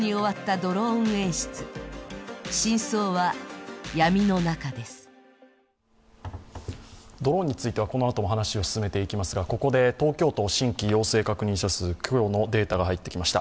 ドローンについてはこのあとも話を進めていきますがここで東京都、新規陽性確認者数今日のデータが入ってきました。